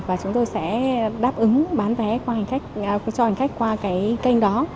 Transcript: và chúng tôi sẽ đáp ứng bán vé cho hành khách qua cái kênh đó